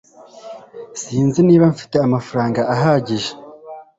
sinzi niba mfite amafaranga ahagije